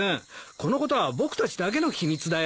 このことは僕たちだけの秘密だよ。